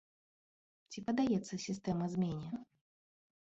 Ці паддаецца сістэма змене?